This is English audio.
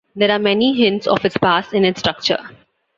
There are many hints of its past in its structure.